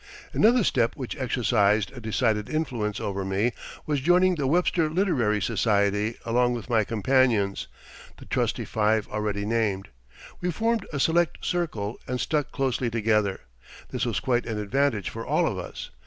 Another step which exercised a decided influence over me was joining the "Webster Literary Society" along with my companions, the trusty five already named. We formed a select circle and stuck closely together. This was quite an advantage for all of us.